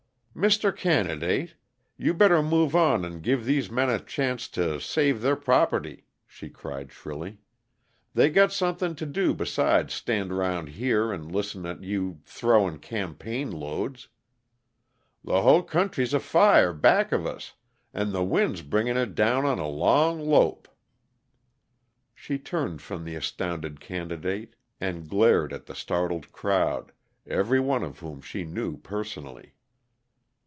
"Mister Candidate, you better move on and give these men a chancet to save their prope'ty," she cried shrilly. "They got something to do besides stand around here and listen at you throwin' campaign loads. The hull country's afire back of us, and the wind bringin' it down on a long lope." She turned from the astounded candidate and glared at the startled crowd, every one of whom she knew personally.